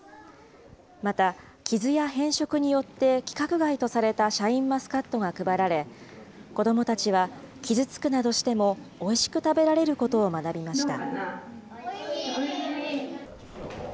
また、傷や変色によって規格外とされたシャインマスカットが配られ、子どもたちは傷つくなどしてもおいしく食べられることを学びました。